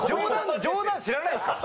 冗談知らないんですか？